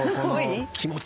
気持ち？